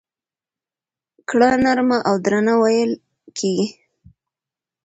ګړه نرمه او درنه وېل کېږي.